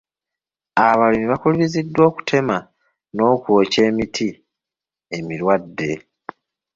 Abalimi bakubirizibwa okutema n'okwookya emiti emirwadde.